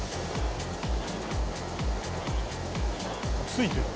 ついてる。